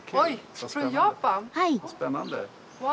はい。